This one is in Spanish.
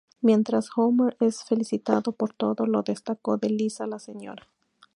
Mientras Homer es felicitado por todo lo destacado de Lisa, la Sra.